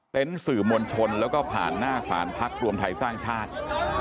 สื่อมวลชนแล้วก็ผ่านหน้าสารพักรวมไทยสร้างชาติ